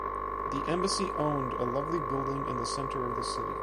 The embassy owned a lovely building in the center of the city.